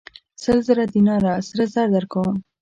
سل زره دیناره سره زر درکوم.